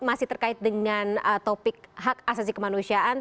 masih terkait dengan topik hak asasi kemanusiaan